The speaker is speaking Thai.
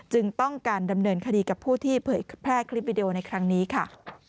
ต้องการดำเนินคดีกับผู้ที่เผยแพร่คลิปวิดีโอในครั้งนี้ค่ะ